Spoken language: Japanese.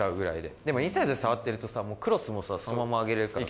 でもインサイドで触ってるとさ、もうクロスもそのまま上げれるからさ。